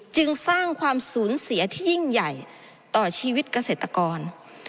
จึงสร้างความสูญเสียที่ยิ่งใหญ่ต่อชีวิตเกษตรกร